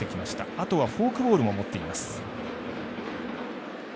あとはフォークボールも持っています。